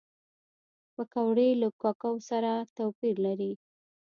پکورې له کوکو سره توپیر لري